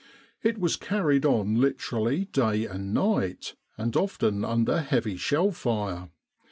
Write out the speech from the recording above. It was carried on literally day and night, and often under heavy shell fire.